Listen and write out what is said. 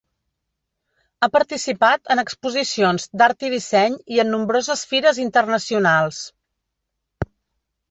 Ha participat en exposicions d'art i disseny i en nombroses fires internacionals.